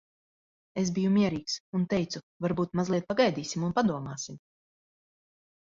Es biju mierīgs. Un teicu, "Varbūt mazliet pagaidīsim un padomāsim?